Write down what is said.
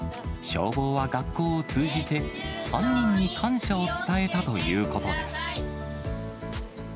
消防は学校を通じて、３人に感謝を伝えたということです。